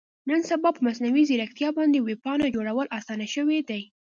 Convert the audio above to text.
نن سبا په مصنوي ځیرکتیا باندې ویب پاڼه جوړول اسانه شوي دي.